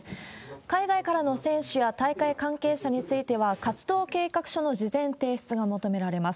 海外からの選手や大会関係者については、活動計画書の事前提出が求められます。